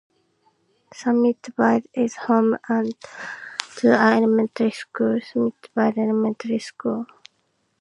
Summitville is home to an elementary school, Summitville Elementary School.